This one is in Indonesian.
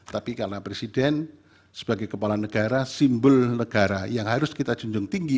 tapi karena presiden sebagai kepala negara simbol negara yang harus kita junjung tinggi